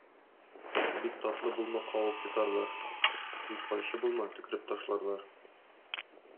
Бик татлы булма кабып йотарлар, бик ачы булма — төкереп ташларлар.